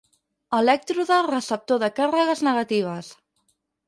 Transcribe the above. Elèctrode receptor de càrregues negatives.